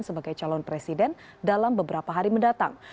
sebagai calon presiden dalam beberapa hari mendatang